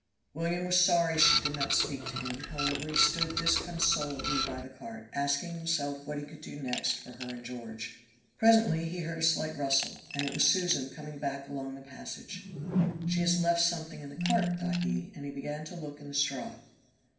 William was sorry she did not speak to him; however he stood disconsolately by the cart, asking himself what he could do next for her and George. Presently he heard a slight rustle, and it was Susan coming back along the passage. "She has left something in the cart," thought he, and he began to look in the straw.